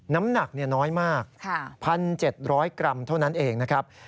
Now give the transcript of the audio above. น้ำหนักน้อยมาก๑๗๐๐กรัมเท่านั้นเองนะครับ